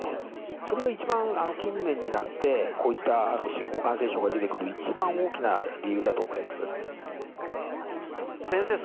それが一番、近年になって、こういった新興感染症が出てくる、一番大きな理由だと思います。